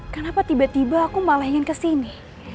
kenapa tiba tiba aku malah ingin kesini